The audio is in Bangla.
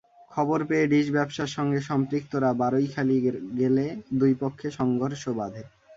খবর পেয়ে ডিস ব্যবসার সঙ্গে সম্পৃক্তরা বারৈখালী গেলে দুই পক্ষে সংঘর্ষ বাধে।